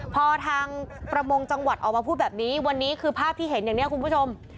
พอทางประมงจังหวัดออกมาพูดแบบนี้วันนี้คือภาพที่เห็นอย่างนี้คุณผู้ชม